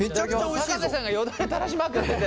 瀬さんがよだれたらしまくってて。